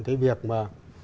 cái việc mà